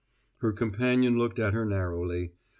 Her companion looked at her narrowly.